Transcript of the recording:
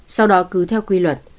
sau đó cứ theo quy luật